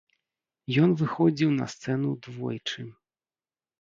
Ён выходзіў на сцэну двойчы.